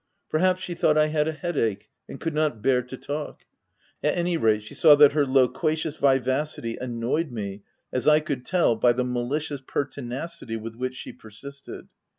Perhaps, she thought I had a headache and could not bear to talk—at any rate, she saw 7 that her loquacious vivacity annoyed me as I could tell by the mali cious pertinacity with which she persisted.